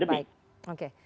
baik baik oke